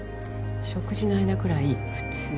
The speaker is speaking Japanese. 食事の間くらい普通に話して。